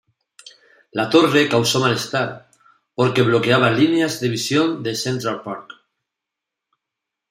La torre causó malestar, porque bloqueaba líneas de visión de Central Park.